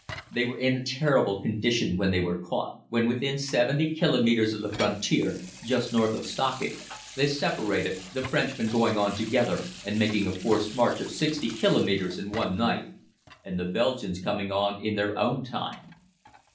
They were in a terrible condition when they were caught. When within 70 kilometres of the frontier, just north of Stockach, they separated, the Frenchmen going on together and making a forced march of 60 kilometres in one night, and the Belgians coming on in their own time.